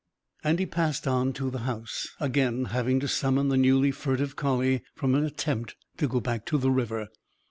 And he passed on to the house; again having to summon the newly furtive collie from an attempt to go back to the river.